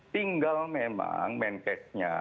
tinggal memang mancase nya